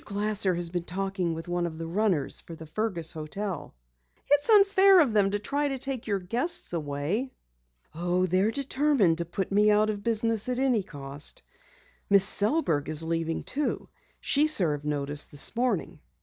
Glasser has been talking with one of the runners for the Fergus hotel." "It's unfair of them to try to take your guests away." "Oh, they're determined to put me out of business at any cost. Miss Sellberg is leaving, too. She served notice this morning."